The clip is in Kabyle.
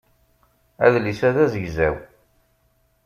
Adlis-a d azegzaw.